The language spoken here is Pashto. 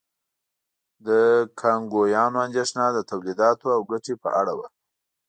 د کانګویانو اندېښنه د تولیداتو او ګټې په اړه وه.